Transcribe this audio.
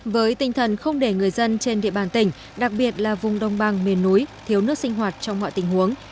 với tinh thần không để người dân trên địa bàn tỉnh đặc biệt là vùng đông băng miền núi thiếu nước sinh hoạt trong mọi tình huống